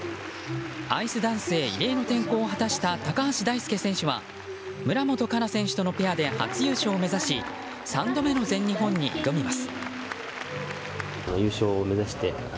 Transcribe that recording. アイスダンスへ異例の転向を果たした高橋大輔選手は村元哉中選手とのペアで初優勝をめざし３度目の全日本に挑みます。